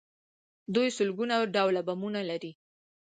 دوی سلګونه ډوله بمونه لري.